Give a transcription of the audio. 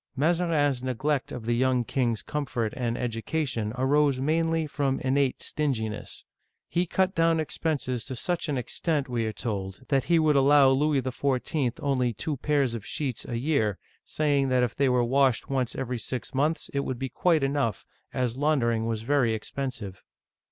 Mazarin*s neglect of the young king's comfort and education arose mainly from innate stinginess. He cut down expenses to such an extent, we are told, that he would allow Louis XIV. only two pairs of sheets a year, saying that if they were washed once every six months it would be quite enough, as laundering was very expensive!